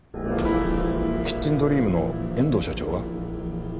キッチンドリームの遠藤社長が？